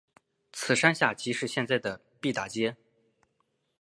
此山下即是现在的毕打街。